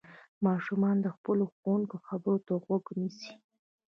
ماشومان د خپلو ښوونکو خبرو ته غوږ نيسي.